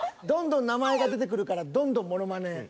どんどん名前が出てくるからどんどんものまね。